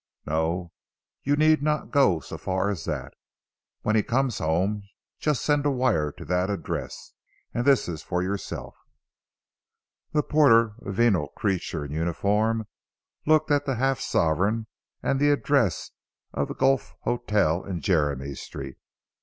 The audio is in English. "No. You need not go so far as that. When he comes home just send a wire to that address. And this for yourself." The porter, a venal creature in uniform, looked at the half sovereign and the address of the Guelph Hotel in Jermyn Street.